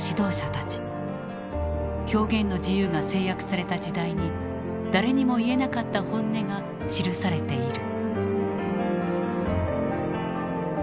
表現の自由が制約された時代に誰にも言えなかった本音が記されている。